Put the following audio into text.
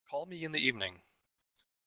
Call me in the evening.